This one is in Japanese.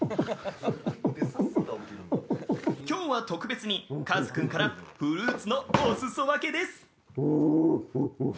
・今日は特別にカズ君からフルーツのお裾分けです・ウ！